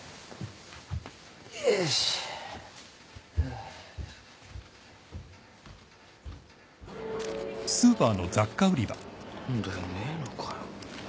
あれ何だよねえのかよ。